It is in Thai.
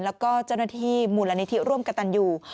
แล้วก็เจ้าหน้าที่มูลนิธิร่วมกับตันอยู่